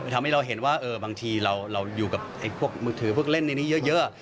ทำให้เราเห็นว่าบางทีเราอยู่กับมือถือเพื่อเล่นเยอะ